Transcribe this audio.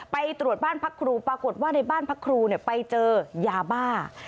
ไปตรวจบ้านพักครูปรากฏว่าในบ้านพระครูไปเจอยาบ้า